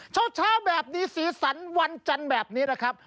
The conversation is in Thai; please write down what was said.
เช้าแบบนี้สีสันวันจันทร์แบบนี้นะครับ